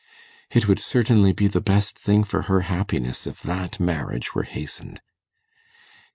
It would certainly be the best thing for her happiness if that marriage were hastened.